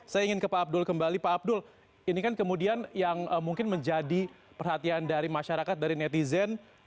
saya ingin ke pak abdul kembali pak abdul ini kan kemudian yang mungkin menjadi perhatian dari masyarakat dari netizen